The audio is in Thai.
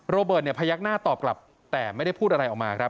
โรเบิร์ตเนี่ยพยักหน้าตอบกลับแต่ไม่ได้พูดอะไรออกมาครับ